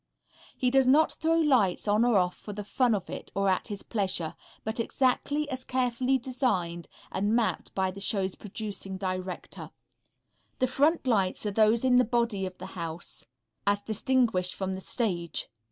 He does not throw lights on or off for the fun of it or at his pleasure, but exactly as carefully designed and mapped by the show's producing director. The front lights are those in the body of the house as distinguished from the stage.